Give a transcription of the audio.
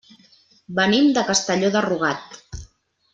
Venim de Castelló de Rugat.